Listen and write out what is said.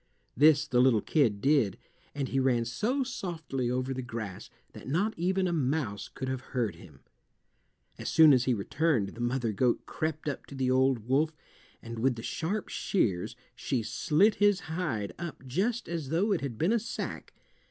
This the little kid did, and he ran so softly over the grass that not even a mouse could have heard him. As soon as he returned the mother goat crept up to the old wolf, and with the sharp shears she slit his hide up just as though it had been a sack.